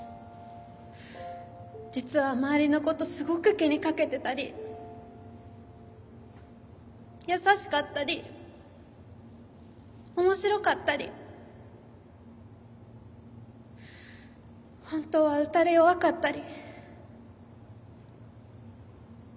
実は周りのことすごく気にかけてたり優しかったり面白かったりほんとは打たれ弱かったり。